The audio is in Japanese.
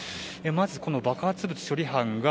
まず、爆発物処理班が